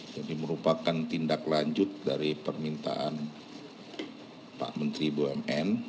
jadi merupakan tindak lanjut dari permintaan pak menteri bumn